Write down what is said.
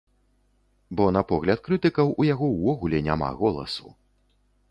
Бо на погляд крытыкаў, у яго ўвогуле няма голасу!